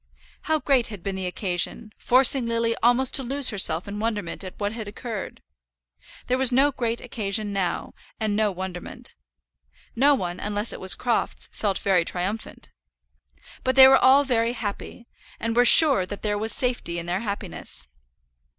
How great had been the occasion, forcing Lily almost to lose herself in wonderment at what had occurred! There was no great occasion now, and no wonderment. No one, unless it was Crofts, felt very triumphant. But they were all very happy, and were sure that there was safety in their happiness.